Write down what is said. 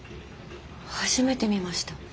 初めて見ました。